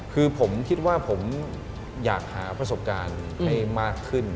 คือผมคิดว่าผมอยากหาประสบการณ์ให้มากขึ้น